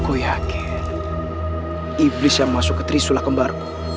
aku yakin iblis yang masuk ke trisula kembar